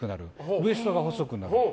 ウエストが細くなる。